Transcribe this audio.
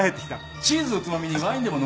チーズをつまみにワインでも飲もう。